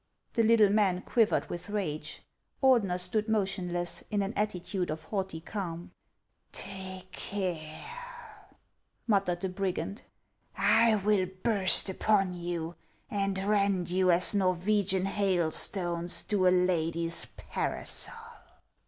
The little man quivered with rage. Ordener stood mo tionless, in an attitude of haughty calm. " Take care '" muttered the brigand ;" I will burst upon you and rend you as Norwegian hailstones do a lady's parasol."